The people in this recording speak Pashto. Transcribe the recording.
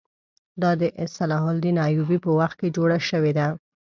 دا د صلاح الدین ایوبي په وخت کې جوړه شوې ده.